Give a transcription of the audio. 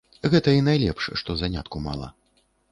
Гэта і найлепш, што занятку мала.